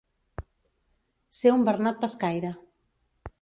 Ser un bernat pescaire.